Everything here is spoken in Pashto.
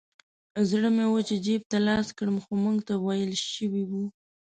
زړه مې و چې جیب ته لاس کړم خو موږ ته ویل شوي وو.